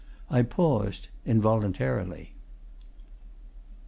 I paused involuntarily.